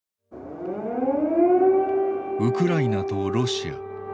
ウクライナとロシア。